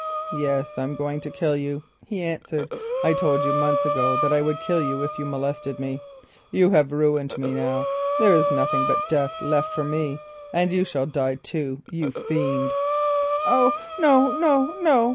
"Yes, I am going to kill you," he answered. "I told you months ago that I would kill you if you molested me. You have ruined me now, there is nothing but death left for me, and you shall die too, you fiend." "Oh no! no! no!